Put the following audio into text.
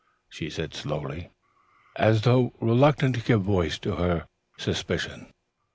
she said slowly, as though reluctant to give voice to her suspicion.